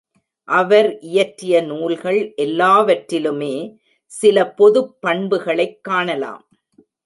அவர் இயற்றிய நூல்கள் எல்லாவற்றிலுமே சில பொதுப் பண்புகளைக் காணலாம்.